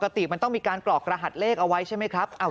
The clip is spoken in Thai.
ปกติมันต้องมีการกรอกรหัสเลขเอาไว้ใช่ไหมครับ